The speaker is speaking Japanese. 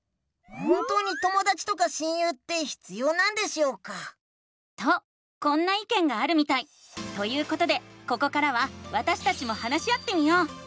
本当にともだちとか親友って必要なんでしょうか？とこんないけんがあるみたい！ということでここからはわたしたちも話し合ってみよう！